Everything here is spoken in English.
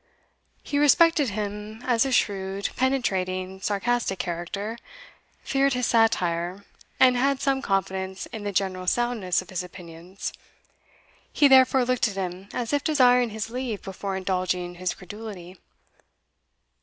He respected him as a shrewd, penetrating, sarcastic character feared his satire, and had some confidence in the general soundness of his opinions. He therefore looked at him as if desiring his leave before indulging his credulity.